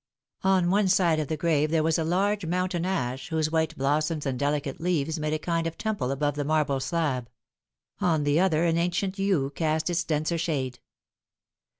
On one side of the grave there was a large mountain ash, whose white blossoms and delicate leaves made a kind of temple above the marble slab ; on the other an ancient yew cast its denser shade.